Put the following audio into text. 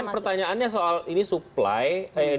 pertanyaannya soal ini supply